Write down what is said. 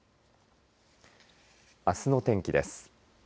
あすの天気です。